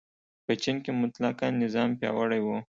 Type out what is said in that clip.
په چین کې مطلقه نظام پیاوړی و.